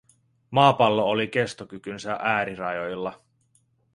Maapallo oli kestokykynsä äärirajoilla.